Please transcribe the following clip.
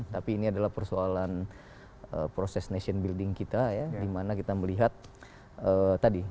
tapi ini adalah persoalan proses nation building kita ya di mana kita melihat tadi